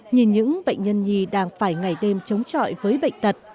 nhìn những bệnh nhân nhi đang phải ngày đêm chống chọi với bệnh tật